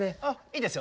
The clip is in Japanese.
いいですよ